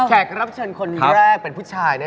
แขกรับเชิญคนแรกเป็นผู้ชาย